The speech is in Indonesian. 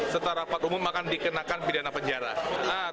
setara rapat umum akan dikenakan pidana penyidikan